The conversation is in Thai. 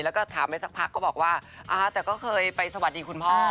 แล้วก็ถามไปสักพักก็บอกว่าอ่าแต่ก็เคยไปสวัสดีคุณพ่อ